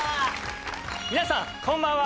皆さんこんばんは！